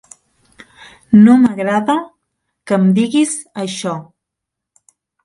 No m'agrada que em diguis això.